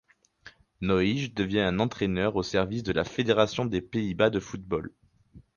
Nooij devient un entraîneur au service de la fédération des Pays-Bas de football.